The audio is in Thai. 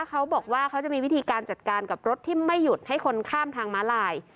เขาบอกว่าเขาจะมีวิธีการจัดการกับรถที่ไม่หยุดให้คนข้ามทางม้าลาย